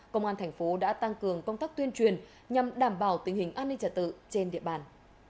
công an thành phố đã tăng cường công tác tuyên truyền nhằm đảm bảo tình hình an ninh trả tự trên địa bàn